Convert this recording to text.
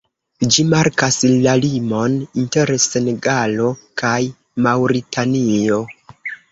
Ĝi markas la limon inter Senegalo kaj Maŭritanio.